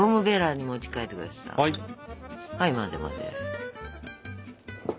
はい混ぜ混ぜ。